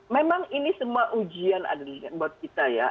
memang ini semua ujian ada di sini buat kita ya